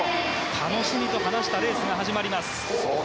楽しみと話したレースが始まります。